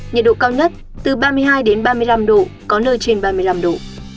nhiệt độ cao nhất từ ba mươi hai ba mươi năm độ có nơi trên ba mươi năm độ